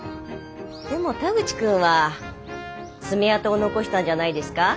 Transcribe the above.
でも田口君は爪痕を残したんじゃないですか？